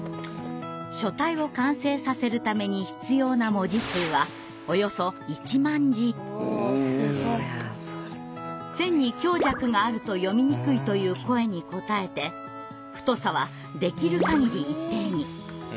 書体を完成させるために必要な文字数は線に強弱があると読みにくいという声に応えて太さはできる限り一定に。